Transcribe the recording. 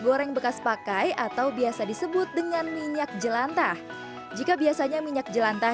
goreng bekas pakai atau biasa disebut dengan minyak jelantah jika biasanya minyak jelantah